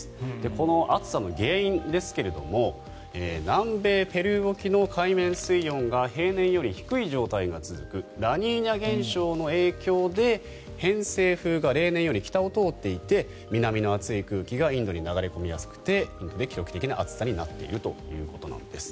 この暑さの原因ですけれど南米ペルー沖の海面水温が平年より低い状態が続くラニーニャ現象の影響で偏西風が例年より北を通っていて南の熱い空気がインドに流れ込みやすくてインドで記録的な暑さになっているということなんです。